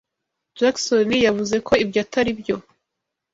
Jackson yavuze ko ibyo atari byo.